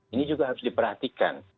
ini juga harus diperhatikan